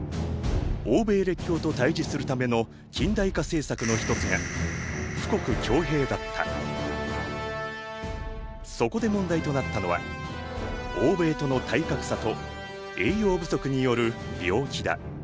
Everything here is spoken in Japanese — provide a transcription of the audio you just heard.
欧米列強と対じするための近代化政策の一つがそこで問題となったのは欧米との体格差と栄養不足による病気だ。